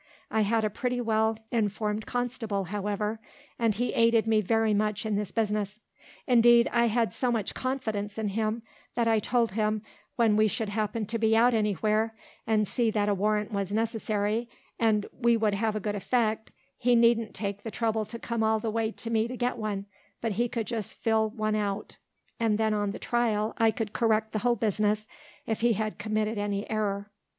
I had a pretty well informed constable, however; and he aided me very much in this business. Indeed I had so much confidence in him, that I told him, when we should happen to be out anywhere, and see that a warrant was necessary, and would have a good effect, he need'nt take the trouble to come all the way to me to get one, but he could just fill out one; and then on the trial I could correct the whole business if he had committed any error.